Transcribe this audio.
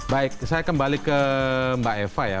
baik saya kembali ke mbak eva ya